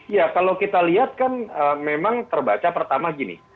ya kalau kita lihat kan memang terbaca pertama gini